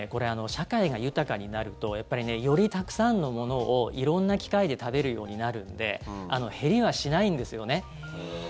社会が豊かになるとよりたくさんのものを色んな機会で食べるようになるんで減りはしないんですよね。